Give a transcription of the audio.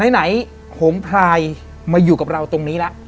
ไหนโหงพลายมาอยู่กับเราตรงนี้แล้ว